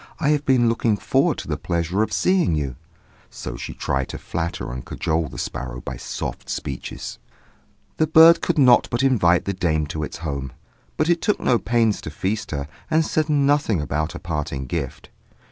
I have been looking forward to the pleasure of seeing you." So she tried to flatter and cajole the sparrow by soft speeches. The bird could not but invite the dame to its home; but it took no pains to feast her, and said nothing about a parting gift.